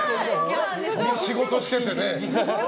その仕事していてね。